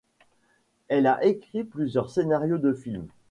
Elle a écrit plusieurs scénarios de films.